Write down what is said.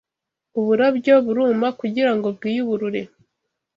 uburabyo buruma kugira ngo bwiyuburure